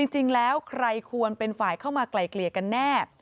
จริงแล้วใครควรเป็นฝ่ายเข้ามาไกลเกลี่ยกันแน่